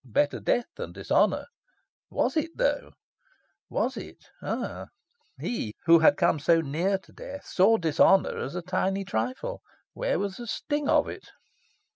Better death than dishonour. Was it, though? was it? Ah, he, who had come so near to death, saw dishonour as a tiny trifle. Where was the sting of it?